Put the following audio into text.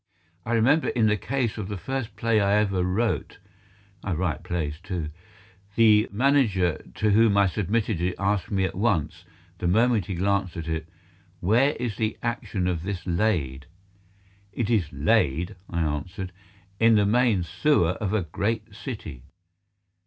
I remember in the case of the first play I ever wrote (I write plays, too) the manager to whom I submitted it asked me at once, the moment he glanced at it, "Where is the action of this laid?" "It is laid," I answered, "in the main sewer of a great city."